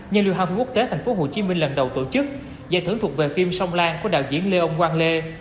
như liên hoan phim quốc tế tp hcm lần đầu tổ chức giải thưởng thuộc về phim sông lan của đạo diễn lê ông quang lê